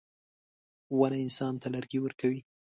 • ونه انسان ته لرګي ورکوي.